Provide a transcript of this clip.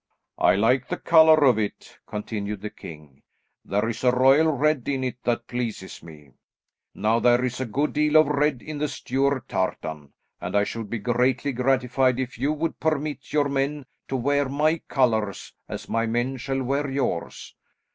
"I like the colour of it," continued the king. "There is a royal red in it that pleases me. Now there is a good deal of red in the Stuart tartan, and I should be greatly gratified if you would permit your men to wear my colours, as my men shall wear yours.